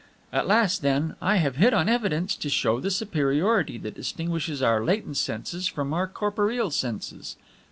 At last, then, I have hit on evidence to show the superiority that distinguishes our latent senses from our corporeal senses!